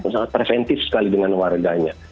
sangat preventif sekali dengan warganya